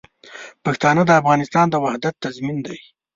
پښتانه د افغانستان د وحدت تضمین دي.